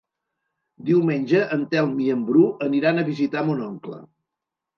Diumenge en Telm i en Bru aniran a visitar mon oncle.